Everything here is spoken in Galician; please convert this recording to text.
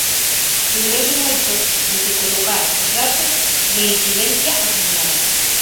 Dubidouse moito de se colocar os datos de incidencia acumulada.